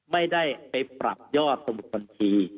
ไม่ได้ไปปรับยอดสมุดบัญชี